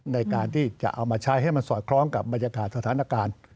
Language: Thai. ในการที่จะเอามาใช้ให้มันสอดคล้องกับบรรยากาศสถานการณ์